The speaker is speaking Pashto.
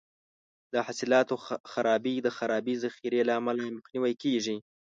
د حاصلاتو خرابي د خرابې ذخیرې له امله مخنیوی کیږي.